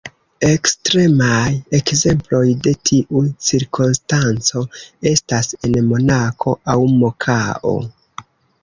Ekstremaj ekzemploj de tiu cirkonstanco estas en Monako aŭ Makao.